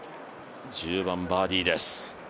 １０番バーディーです。